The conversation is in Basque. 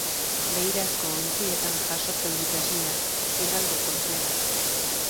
Beirazko ontzietan jasotzen dut esnea, Igeldoko Esnea